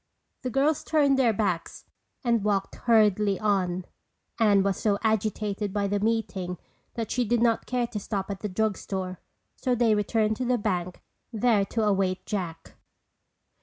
The girls turned their backs and walked hurriedly on. Anne was so agitated by the meeting that she did not care to stop at the drug store so they returned to the bank there to await Jack.